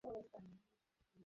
যা থাকে কপালে - এটাই প্ল্যান।